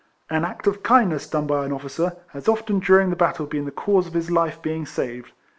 An act of kindness done by an officer has often during the battle been the cause of his life being saved.